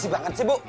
berisi banget sih bu